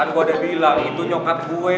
gue udah bilang itu nyokap gue